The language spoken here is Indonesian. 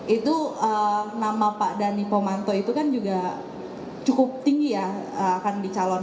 itu nama pak dhani pomanto itu kan juga cukup tinggi ya akan dicalonkan